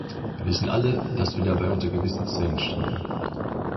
Wir wissen alle, dass wir dabei unter gewissen Zwängen standen.